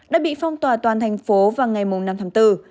đã bị phong tỏa toàn thành phố vào ngày năm tháng bốn